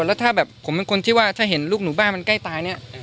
แล้วถ้าแบบผมเป็นคนที่ว่าถ้าเห็นลูกหนูบ้านมันใกล้ตายเนี่ย